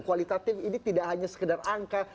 kualitatif ini tidak hanya sekedar angka